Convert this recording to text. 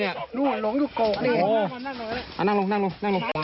หน้ามองเจ้าครับเดี๋ยวกินน้ำหน่อยนะนะครับผมกินน้ำไม่กินไหม